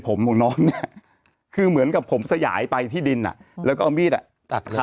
ผมของน้องเนี่ยคือเหมือนกับผมสยายไปที่ดินอ่ะแล้วก็เอามีดอ่ะตัดเลย